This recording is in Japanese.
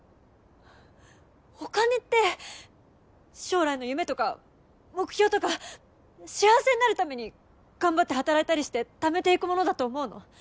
お金って将来の夢とか目標とか幸せになるために頑張って働いたりしてためていくものだと思うの。